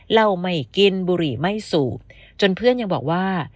เหล้าไม่กินบุหรี่ไม่สูบจนเพื่อนยังบอกว่า